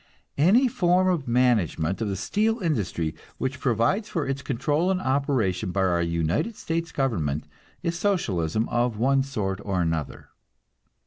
Any form of management of the steel industry which provides for its control and operation by our United States government is Socialism of one sort or another.